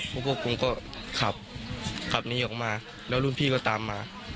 พวกผมก็ขับขับหนีออกมาแล้วรุ่นพี่ก็ตามมา